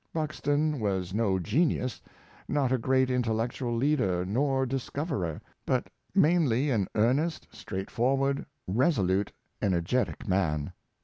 Buxton was no genius — not a great intellectual lead er nor discoverer, but mainly an earnest, straightfor ward, resolute, energetic man.